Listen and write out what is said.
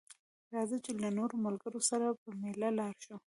راځه چې له نورو ملګرو سره په ميله لاړ شو